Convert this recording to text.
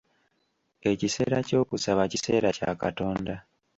Ekiseera ky'okusaba kiseera kya Katonda.